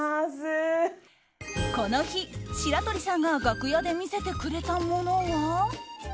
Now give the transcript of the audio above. この日、白鳥さんが楽屋で見せてくれたものは。